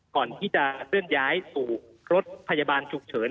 ก่อนที่จะเคลื่อนย้ายสู่รถพยาบาลฉุกเฉิน